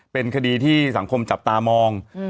เป็นคดีที่สังคมจับตามอง